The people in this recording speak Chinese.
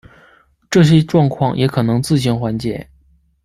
这些状况也可能自行缓解。